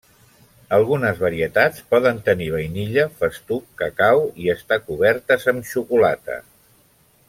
Algunes varietats poden tenir vainilla, festuc, cacau i estar cobertes amb xocolata.